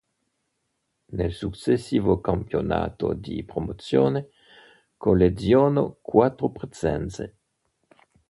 Nel successivo campionato di Promozione collezionò quattro presenze.